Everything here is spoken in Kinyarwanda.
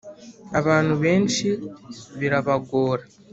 abantu benshi birabagora